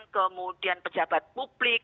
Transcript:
kemudian pejabat publik